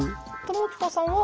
友近さんは？